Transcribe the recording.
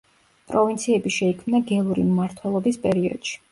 პროვინციები შეიქმნა გელური მმართველობის პერიოდში.